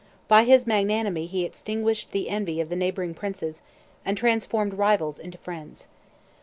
By his magnanimity he extinguished the envy of the neighboring princes and transformed rivals into friends.